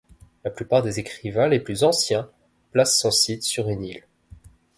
La plupart des écrivains les plus anciens placent son site sur une île.